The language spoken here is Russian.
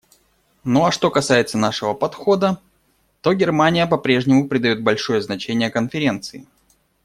Ну а что касается нашего подхода, то Германия по-прежнему придает большое значение Конференции.